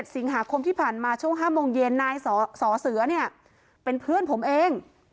สิงหาคมที่ผ่านมาช่วง๕โมงเย็นนายสอเสือเนี่ยเป็นเพื่อนผมเอง